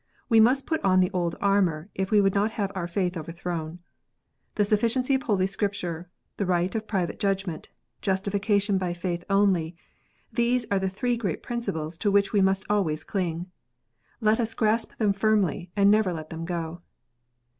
We must put on the old armour, if we would not have our faith overthrown. The sufficiency of Holy Scripture, the right of private judgment, justification by faith only, these are the three great principles to which we must always cling. Let us grasp them firmly, and never let them go.